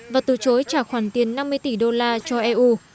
và từ chối trả khoản tiền năm mươi tỷ đô la cho eu